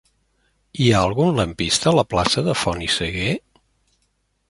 Hi ha algun lampista a la plaça de Font i Sagué?